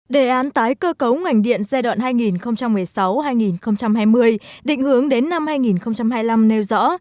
đề án tái cơ cấu ngành điện giai đoạn hai nghìn một mươi sáu hai nghìn hai mươi định hướng đến năm hai nghìn hai mươi năm nêu rõ